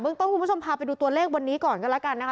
เบื้องต้นคุณผู้ชมพาไปดูตัวเลขวันนี้ก่อนกันแล้ว